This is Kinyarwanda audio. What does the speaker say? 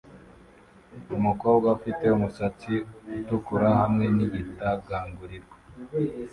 Umukobwa ufite umusatsi utukura hamwe nigitagangurirwa